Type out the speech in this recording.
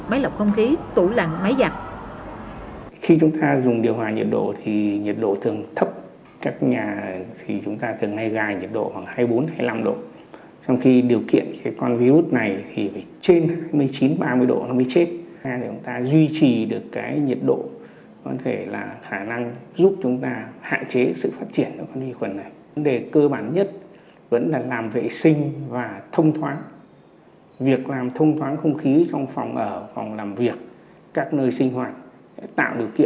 máy lọc không khí tủ lạnh máy giặt